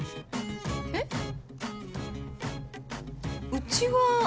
えっ？うちは。